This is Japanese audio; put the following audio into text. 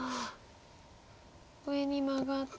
上にマガって。